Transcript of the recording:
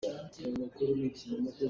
Laimi tam deuh cu kan hnar a beek.